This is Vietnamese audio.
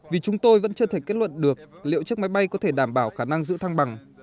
vì chúng tôi vẫn chưa thể kết luận được liệu chiếc máy bay có thể đảm bảo khả năng giữ thăng bằng